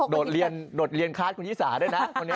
เออแล้วโดดเรียนคลาสคุณยี่สาห์ด้วยนะวันนี้